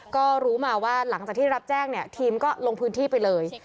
ก็รู้มาว่าหลังจากที่รับแจ้งเนี่ยทีมก็ลงพื้นที่ไปเลย